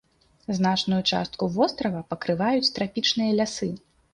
Значную частку вострава пакрываюць трапічныя лясы.